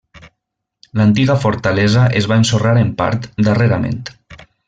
L'antiga fortalesa es va ensorrar en part darrerament.